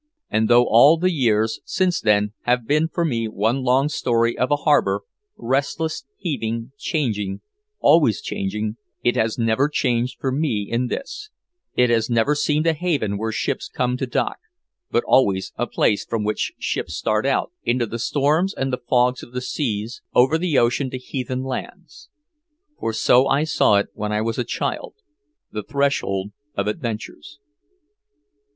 And though all the years since then have been for me one long story of a harbor, restless, heaving, changing, always changing it has never changed for me in this it has never seemed a haven where ships come to dock, but always a place from which ships start out into the storms and the fogs of the seas, over the "ocean" to "heathen lands." For so I saw it when I was a child, the threshold of adventures.